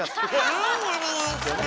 はいお願いします。